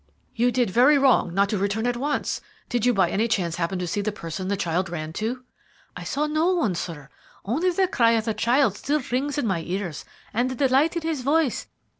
"You did very wrong not to return at once. Did you by any chance happen to see the person the child ran to?" "I saw no one, sir; only the cry of the child still rings in my ears and the delight in his voice.